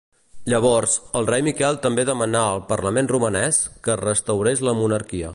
Llavors, el rei Miquel també demanà al Parlament romanès que es restaurés la monarquia.